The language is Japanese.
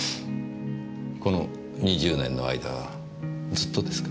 この２０年の間ずっとですか？